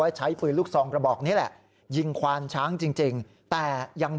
ว่าใช้ปืนลูกสองระบอกนี่แหละ